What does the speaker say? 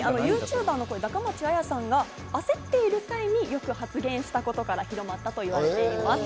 ＹｏｕＴｕｂｅｒが焦っている際によく発言したことから広まったと言われています。